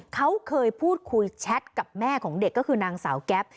เขาเคยพูดคุยแชทกับแม่ของเด็กก็คือนางสาวแก๊ป